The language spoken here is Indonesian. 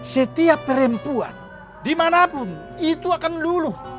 setiap perempuan dimanapun itu akan luluh